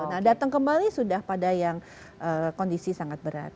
nah datang kembali sudah pada yang kondisi sangat berat